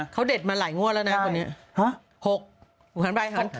เขาเด็ดมาหลายงวดแล้วนะวันนี้